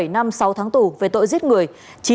một mươi bảy năm sáu tháng tù về tội giết người